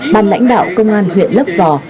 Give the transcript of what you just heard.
ban lãnh đạo công an huyện lấp vò